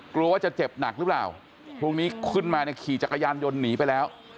กลัวว่าจะเจ็บหนักหรือเปล่าพรุ่งนี้ขึ้นมาเนี่ยขี่จักรยานยนต์หนีไปแล้ว